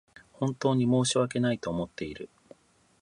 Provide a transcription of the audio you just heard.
本当に申し訳ないと思っている